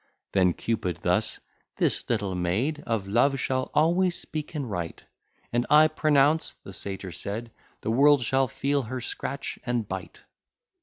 Then Cupid thus: "This little maid Of love shall always speak and write;" "And I pronounce," the Satyr said, "The world shall feel her scratch and bite."